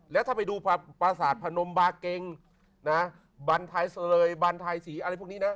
แล้วถ้าไปดูประสาทพนมบาเกงนะบันไทยบันไทยสีอะไรพวกนี้นะ